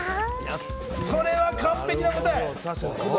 それは完璧な答え。